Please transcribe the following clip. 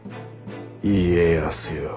家康よ。